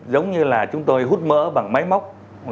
giống như là chúng tôi hút mỡ bằng máy móc